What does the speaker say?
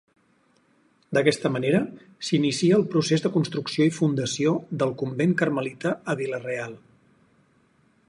D'aquesta manera s'inicia el procés de construcció i fundació del convent carmelita a Vila-real.